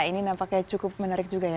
ini nampaknya cukup menarik juga ya